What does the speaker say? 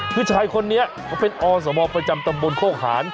คือชายคนนี้เขาเป็นอสมประจำตำบลโคกหาน